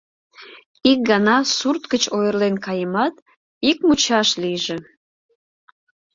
Ик гана сурт гыч ойырлен каемат, ик мучаш лийже!